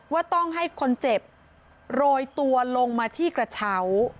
ว่าต้องให้คนเจ็บโรยตัวลงมาที่กระเช้า